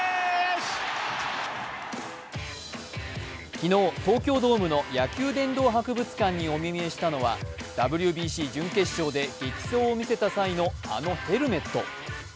昨日、東京ドームの野球殿堂博物館にお目見えしたのはＷＢＣ準決勝で激走を見せた際のあのヘルメット。